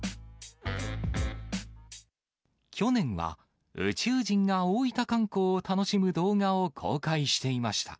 去年は宇宙人が大分観光を楽しむ動画を公開していました。